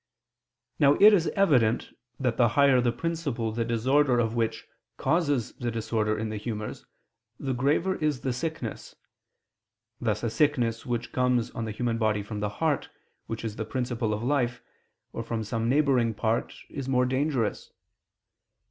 Now it is evident that the higher the principle the disorder of which causes the disorder in the humors, the graver is the sickness: thus a sickness which comes on the human body from the heart, which is the principle of life, or from some neighboring part, is more dangerous.